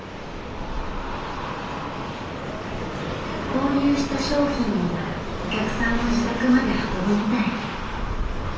購入した商品をお客さんの自宅まで運ぶみたい。